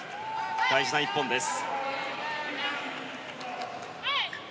大事な一本です。